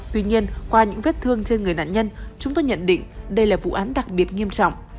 tuy nhiên qua những vết thương trên người nạn nhân chúng tôi nhận định đây là vụ án đặc biệt nghiêm trọng